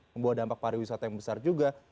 membawa dampak pariwisata yang besar juga